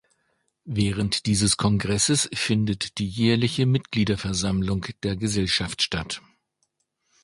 Während dieses Kongresses findet die jährliche Mitgliederversammlung der Gesellschaft statt.